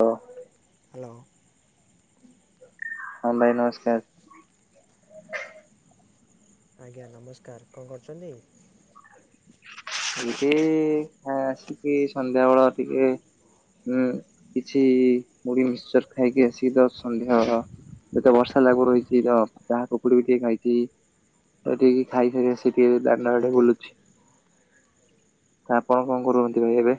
ହ ହାଲୋ ହଁ ଭାଇ ନମସ୍କାର୍ ଆଜ୍ଞା ନମସ୍କାର୍ କଣ କରୁଛନ୍ତି? ଏମିତି ହିଁ [unintelligible] ସନ୍ଧ୍ୟା ବେଳ ଟିକେ ହୁଁ କିଛି ମୁଢି ମିକ୍ଚର୍ ଖାଇକି ଆସିକି ତାକୁ ସନ୍ଧ୍ୟା ବେଳ ଏତ ବର୍ଷା ଲାଗୁ ରହିଛି ତ ଚାହା ପକୁଡି ବି ଟିକେ ଖାଇଛି। ଟିକେ ଖାଇ ସାରି ଆସେ ଇଏ ଦାଣ୍ଡ ଆଡେ ଆଜ୍ଞା ବୁଲୁଚି। ଆପଣ କଣ କରୁଅନ୍ତି ଏବେ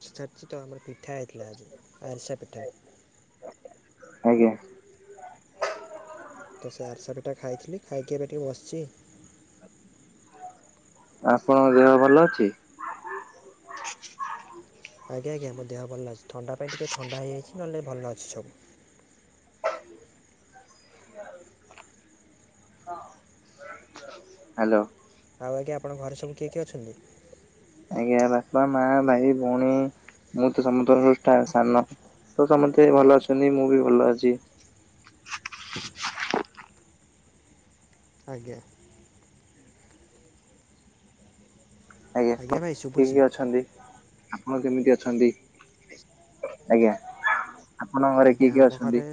ନିଶ୍ଚିତ ଭାବରେ ଆମର ପିଠା ହେଇଥିଲା ଆଜି ଆରିସା ପିଠା। ଆଜ୍ଞା ତ ସେ ଆରିଶା ପିଠା ଖାଇଥିଲି। ଖାଇକି ଏବେ ଟିକେ ବସିଛି। ଆ ଆପଣଙ୍କ ଦେହ ଭଲ ଅଛି? ଆଜ୍ଞା, ଆଜ୍ଞା ମୋ ଦେହ ଭଲ ଅଛି। ଥଣ୍ଡା ପାଇଁ ଟିକେ ଥଣ୍ଡା ହେଇଯାଇଛି। ନହେଲେ ଭଲ ଅଛି ସବୁ। ହାଲୋ। ଆଉ ଆଜ୍ଞା ଆପଣ ଘରେ ସବୁ କିଏ କିଏ ଅଛନ୍ତି? ଆଜ୍ଞା ବାପା, ମା, ଭାଇ, ଭଉଣୀ ମୁଁ ତ ସମସ୍ତଙ୍କ ଠା ସାନ। ତ ସମସ୍ତେ ଭଲ ଅଛନ୍ତି। ମୁଁ ବି ଭଲ ଅଛି। ଆଜ୍ଞା। ଆଜ୍ଞା ଭାଇ ମୋ [inaudible] ଶୁଭୁଛି ବି ଅଛନ୍ତି। ଆପଣ କେମିତି ଅଛନ୍ତି? ଆଜ୍ଞା। ଆପଣଙ୍କ ଘରେ ଆଜ୍ଞା କିଏ କିଏ ଆମ ଅଛନ୍ତି? ଘରେ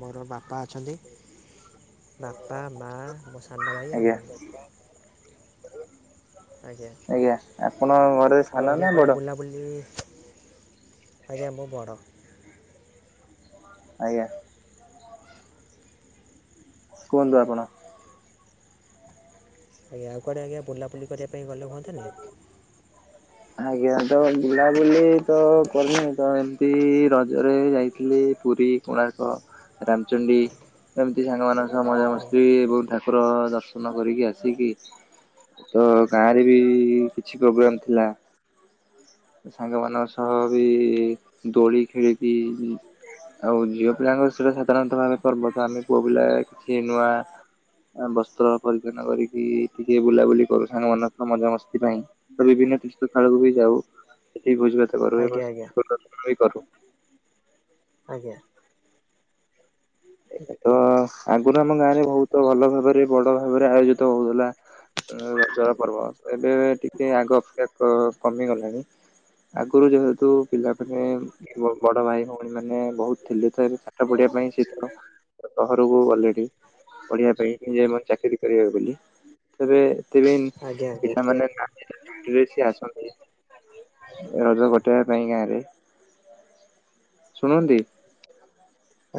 ମୋର ବାପା ଅଛନ୍ତି। ବାପା, ମା, ମୋ ସାନ ଭାଇ ଆଉ ଆଜ୍ଞା ମୁଁ। ଆଜ୍ଞା ଆପଣ ଘରେ ଆଉ ସାନ ଆଜ୍ଞା ନା କୁଆଡ଼େ ବଡ? ବୁଲାବୁଲି ଆଜ୍ଞା ମୁଁ ବଡ଼। ଆଜ୍ଞା। କୁହନ୍ତୁ ଆପଣ। ଆଜ୍ଞା ଆଉ କୁଆଡ଼େ ଆଜ୍ଞା ବୁଲାବୁଲି କରିବା ପାଇଁ ଗଲେ ହୁଅନ୍ତାନି? ଆଜ୍ଞା ତ ବୁଲାବୁଲି ତ କରିନି। ତ ଏମିତି ରଜରେ ଯାଇଥିଲି ପୁରୀ, କୋଣାର୍କ, ରାମଚଣ୍ଡୀ ଏମିତି ସାଙ୍ଗମାନଙ୍କ ସହ ଆଜ୍ଞା। ମଜାମସ୍ତି ବହୁ ଠା କୁର ଦର୍ଶନ କରିକି ଆସିକି। ତ ଗାଁରେ ବି କିଛି ପ୍ରୋବ୍ଲେମ୍ ଥିଲା। ତ ସାଙ୍ଗମାନଙ୍କ ସହ ବି ଦୋଳି ଖେଳିକି ଆଉ ଝିଅ ପିଲାଙ୍କ ସେଟା ସାଧାରଣତଃ ଭାବେ ପର୍ବ। ତ ଆମେ ପୁଅ ପିଲା କିଛି ନୂଆ ଏ ବସ୍ତ୍ର ପରିପୂର୍ଣ୍ଣ କରିକି ଟିକେ ବୁଲାବୁଲି କରୁ ସାଙ୍ଗ ମାନଙ୍କ ସହ ମଜମସ୍ତି ପାଇଁ। ତ ବିଭିନ୍ନ ତିଷ୍ ସେ ଥାଳକୁ ବି ଯାଉ ସେଠି ଭୋଜି ଭାତ କରୁ ଆଜ୍ଞା ଏବଂ ଆଜ୍ଞା [unintelligible] କରୁ। ଆଜ୍ଞା। ଏ ତ ଆଗରୁ ଆମ ଗାଁରେ ବହୁତ ଭଲ ଭାବରେ ବଡ ଭାବରେ ଆୟୋଜିତ ହଉଥୁଲା। ଏ ରଜ ପର୍ବ। ଏବେ ଟିକେ ଆଗ ଅପେକ୍ଷା କ-କମି ଗଲାଣି। ଆଗରୁ ଯେହେତୁ ପିଲାମାନେ ବ-ବଡ ଭାଇ ଭଉଣୀ ମାନେ ବହୁତ ଥିଲୁ ତ ଏବେ ପାଠ ପଢିବା ପାଇଁ ସେ ତ ସହରକୁ ଗଲେଣି। ପଢିବା ପାଇଁ। କି ଯେ ମାନେ ଚାକିରି କରିବେ ବୋଲି। ତେବେ ତେବେ ଇନ୍ ଆଜ୍ଞା ଆଜ୍ଞା ପିଲାମାନେ [unintelligible] ଛୁଟିରେ ସିଏ ଆସନ୍ତି ରଜ କଟେଇବା ପାଇଁ ଗାଁରେ। ଶୁଣନ୍ତି।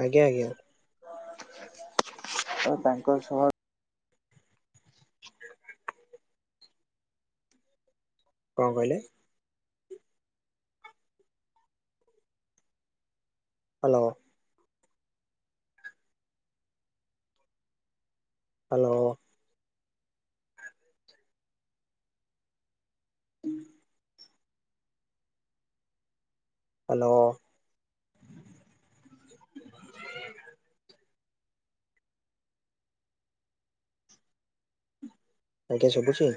ଆଜ୍ଞା, ଆଜ୍ଞା। ଏବଂ ତାଙ୍କ ସହ କଣ କହିଲେ? ହ୍ୟାଲୋ ହ୍ୟାଲୋ ହ୍ୟାଲୋ ଆଜ୍ଞା ଶୁଭୁଛି?